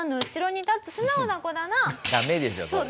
ダメでしょそれ。